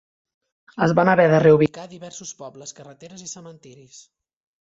Es van haver de reubicar diversos pobles, carreteres i cementiris.